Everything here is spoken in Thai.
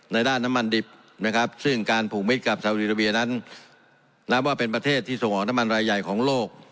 ด้านน้ำมันดิบนะครับซึ่งการผูกมิตรกับสาวดีราเบียนั้นนับว่าเป็นประเทศที่ส่งออกน้ำมันรายใหญ่ของโลก